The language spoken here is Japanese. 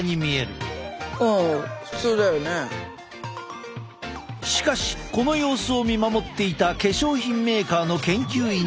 しかしこの様子を見守っていた化粧品メーカーの研究員たちは。